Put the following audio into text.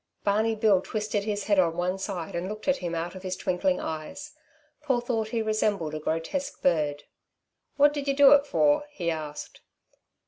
Barney Bill twisted his head on one side and looked at him out of his twinkling eyes. Paul thought he resembled a grotesque bird. "Wot did yer do it for?" he asked.